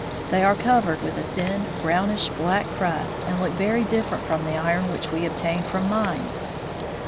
They are covered with a thin, brownish black crust, and look very different from the iron which we obtain from mines.